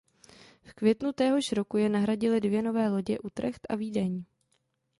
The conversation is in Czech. V květnu téhož roku je nahradily dvě nové lodě "Utrecht" a "Vídeň".